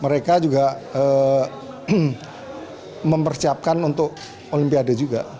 mereka juga mempersiapkan untuk olimpiade juga